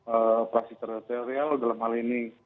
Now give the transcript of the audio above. operasi teritorial dalam hal ini